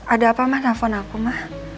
ada apa ma nelfon aku ma